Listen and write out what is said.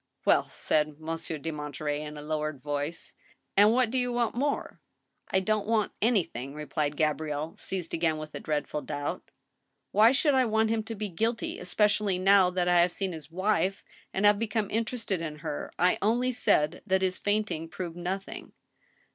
"Well," said Monsieur de Monterey, in a lowered voice, " and what do you want more ?"" I don't want anything," replied Gabrielle, seized again with a dreadful doubt ;" why should I want him to be guilty, especially now that I have seen his wife, and have become interested in her? I only said that his fainting proved nothing."